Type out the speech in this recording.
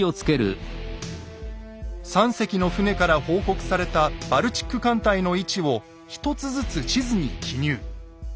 ３隻の船から報告されたバルチック艦隊の位置を一つずつ地図に記入。